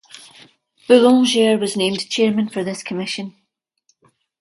Boulenger was named chairman for this commission.